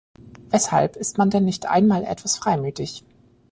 Weshalb ist man denn nicht einmal etwas freimütig?